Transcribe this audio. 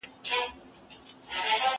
زه به سبا بازار ته ځم وم؟